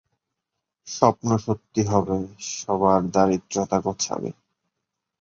তিনি জর্জ ল্যান্সবারির অধীনে ডেইলি হেরাল্ড পত্রিকায় কাজ করেন।